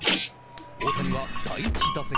大谷は第１打席。